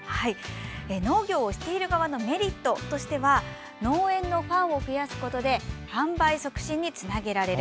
農業をしている側のメリットとしては農園のファンを増やすことで販売促進につなげられる。